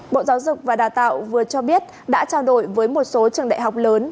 bộ giáo dục và đào tạo vừa cho biết đã trao đổi với một số trường đại học lớn